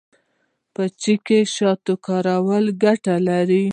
په چای کې د شاتو کارول ګټور دي.